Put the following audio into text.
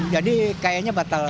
jadi kayaknya batas